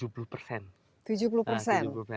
berapa sih biaya produksinya